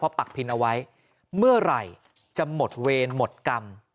เพราะปักพินไว้เมื่อไหร่จะหมดเวรหมดกรรม